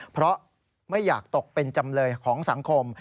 เพราะไม่อยากตกเป็นจำเลยของสังคม